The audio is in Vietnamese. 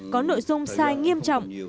có nội dung sai nghiêm trọng